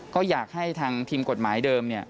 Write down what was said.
ก็อยากให้ทางทีมกฎหมายเดิม